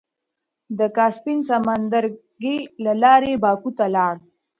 د کاسپين سمندرګي له لارې باکو ته لاړ.